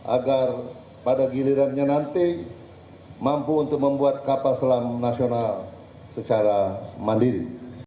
agar pada gilirannya nanti mampu untuk membuat kapal selam nasional secara mandiri